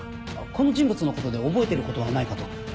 この人物のことで覚えてることはないかと。